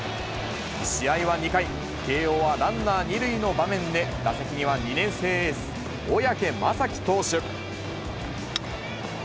試合は２回、慶応はランナー２塁の場面で打席には２年生エース、小宅雅己投手。